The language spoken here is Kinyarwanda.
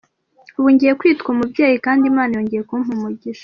Ubu ngiye kwitwa umubyeyi kandi Imana yongeye kumpa umugisha.